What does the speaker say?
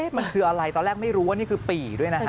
มันคืออะไรตอนแรกไม่รู้ว่านี่คือปี่ด้วยนะฮะ